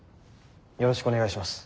よろしくお願いします。